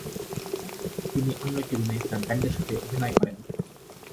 তিনি অন্য একটি রুমে তার ব্যান্ডের সাথে অভিনয় করেন।